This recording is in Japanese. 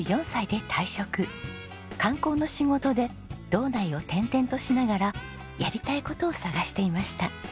観光の仕事で道内を転々としながらやりたい事を探していました。